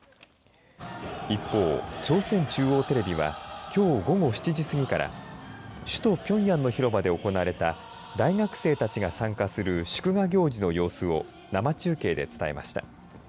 一方、朝鮮中央テレビはきょう午後７時過ぎから首都ピョンヤンの広場で行われた大学生たちが参加する祝賀行事の様子を生中継で伝えました。